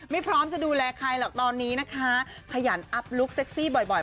ไม่พร้อมจะดูแลใครเหล้อตอนนี้นะคะขยันอัพลุ๊กเซ็กซี่บ่อยผ่านอินทรากรัม